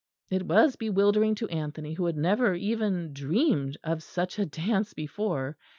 It was bewildering to Anthony, who had never even dreamed of such a dance before.